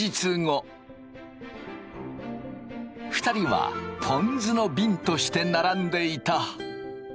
２人はぽん酢のびんとして並んでいた。